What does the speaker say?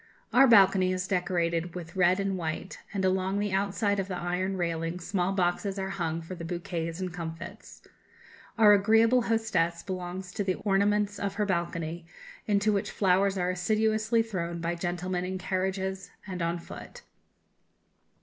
Our balcony is decorated with red and white, and along the outside of the iron railing small boxes are hung for the bouquets and comfits. Our agreeable hostess belongs to the ornaments of her balcony, into which flowers are assiduously thrown by gentlemen in carriages and on foot.